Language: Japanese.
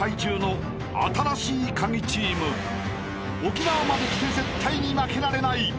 ［沖縄まで来て絶対に負けられない］